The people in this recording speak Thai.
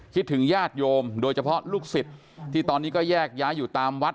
ถึงญาติโยมโดยเฉพาะลูกศิษย์ที่ตอนนี้ก็แยกย้ายอยู่ตามวัด